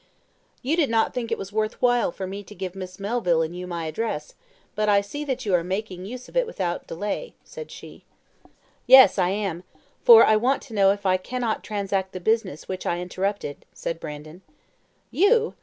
"You did not think it worth while for me to give Miss Melville and you my address, but I see that you are making use of it without delay," said she. "Yes, I am, for I want to know if I cannot transact the business which I interrupted," said Brandon. "You!